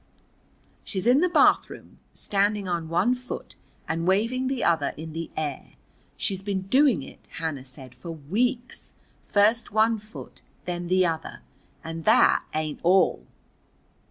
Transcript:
"She's in the bathroom, standing on one foot and waving the other in the air. She's been doing it," Hannah said, "for weeks. First one foot, then the other. And that ain't all."